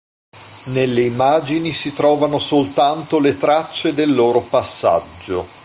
Nelle immagini si trovano soltanto le tracce del loro passaggio.